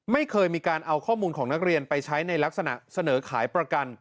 ไม่เคยมีการเอาข้อมูลของนักเรียนไปใช้ในลักษณะเสนอขายประกัน